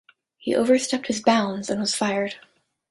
He overstepped his bounds and was fired.